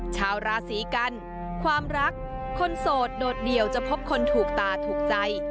ชาวราศีกันความรักคนโสดโดดเดี่ยวจะพบคนถูกตาถูกใจ